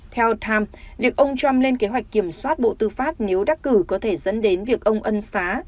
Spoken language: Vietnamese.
theo times việc ông trump lên kế hoạch kiểm soát bộ tư pháp nếu đắc cử có thể dẫn đến việc ông ân xá